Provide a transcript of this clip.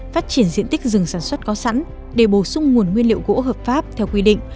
phát triển diện tích rừng sản xuất có sẵn để bổ sung nguồn nguyên liệu gỗ hợp pháp theo quy định